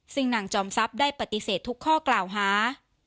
ซึ่งนางจอมทรัพย์ได้ปฏิเสธทุกข้อกล่าวหา